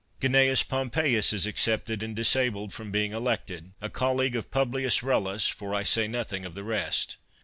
Cnaeus Pompeius is excepted and disabled from being elected a colleag of Publius Rullus (for I say nothing of the rest).